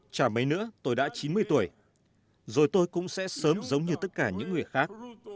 chả mấy nữa tôi đã chín mươi tuổi rồi tôi cũng sẽ sớm giống như tất cả những người khác